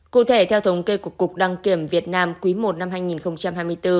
cụ thể theo thống kê của cục đăng kiểm việt nam quý i năm hai nghìn hai mươi bốn